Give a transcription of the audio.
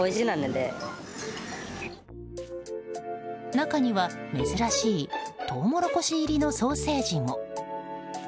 中には、珍しいトウモロコシ入りのソーセージも。